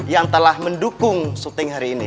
yang telah mendukung syuting hari ini